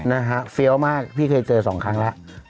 นะฮะเฟี้ยวมากพี่เคยเจอสองครั้งแล้ว